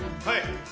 はい。